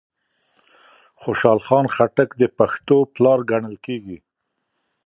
خوشحال خان خټک د پښتو پلار ګڼل کېږي